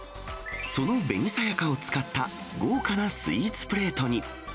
その紅さやかを使った豪華なスイーツプレートに。